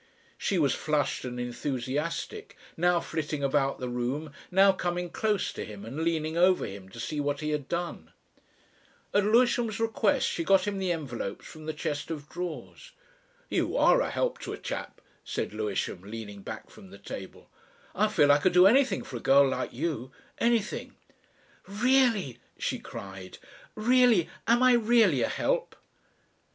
She was flushed and enthusiastic, now flitting about the room, now coming close to him and leaning over him to see what he had done. At Lewisham's request she got him the envelopes from the chest of drawers. "You are a help to a chap," said Lewisham, leaning back from the table, "I feel I could do anything for a girl like you anything." "Really!" she cried, "Really! Am I really a help?"